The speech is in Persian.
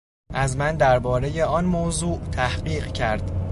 از من دربارهٔ آن موضوع تحقیق کرد.